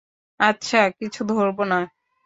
আচ্ছা, কিছু ধরব না।